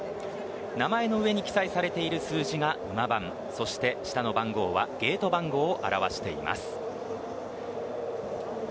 名前の上に記載されている数字が馬番下の番号はゲート番号を表しています。